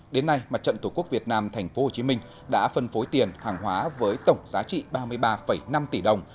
đến nay mặt trận tổ quốc việt nam tp hcm đã phân phối tiền hàng hóa với tổng giá trị ba mươi ba năm tỷ đồng